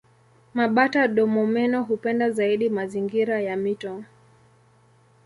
Mabata-domomeno hupenda zaidi mazingira ya mito.